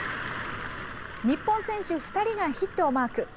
日本選手２人がヒットをマーク。